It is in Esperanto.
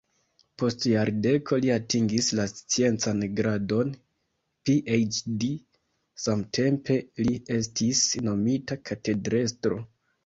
Post jardeko li atingis la sciencan gradon PhD, samtempe li estis nomita katedrestro.